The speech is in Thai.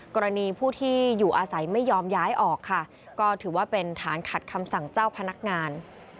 กรณีผู้ที่อยู่อาศัยไม่ยอมย้ายออกค่ะก็ถือว่าเป็นฐานขัดคำสั่งเจ้าพนักงาน